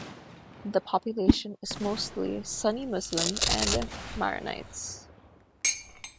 The population is mostly Sunni Muslim and Maronites.